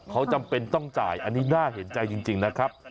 เขาจำเป็นต้องจ่ายอันนี้น่าเห็นใจจริงนะครับ